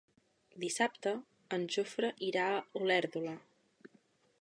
Dissabte en Jofre irà a Olèrdola.